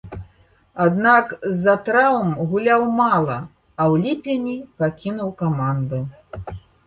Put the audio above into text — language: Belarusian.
Аднак, з-за траўм гуляў мала, а ў ліпені пакінуў каманду.